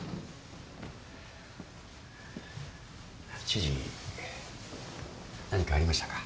知事何かありましたか？